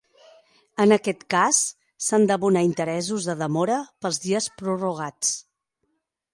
En aquest cas, s'han d'abonar interessos de demora pels dies prorrogats.